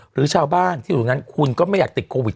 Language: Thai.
หรือชาวบ้านที่อยู่ตรงนั้นคุณก็ไม่อยากติดโควิด